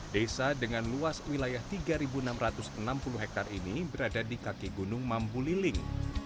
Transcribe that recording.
desa dengan luas wilayah tiga enam ratus enam puluh hektare ini berada di kaki gunung mambu liling